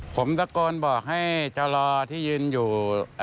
ผมตะโกนบอกให้จรอที่ยืนอยู่